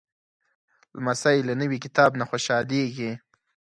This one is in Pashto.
لمسی له نوي کتاب نه خوشحالېږي.